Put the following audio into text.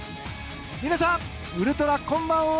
皆さん、ウルトラこんばんは！